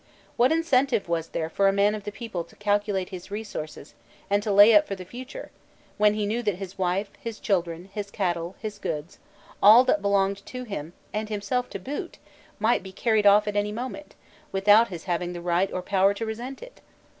What incentive was there for a man of the people to calculate his resources and to lay up for the future, when he knew that his wife, his children, his cattle, his goods, all that belonged to him, and himself to boot, might be carried off at any moment, without his having the right or the power to resent it?